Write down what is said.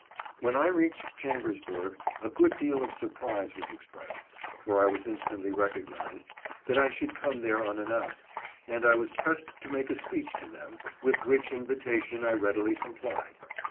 When I reached Chambersburg, a good deal of surprise was expressed (for I was instantly recognized) that I should come there unannounced, and I was pressed to make a speech to them, with which invitation I readily complied.